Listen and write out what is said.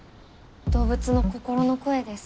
動物の心の声です。